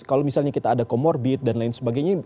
kalau misalnya kita ada comorbid dan lain sebagainya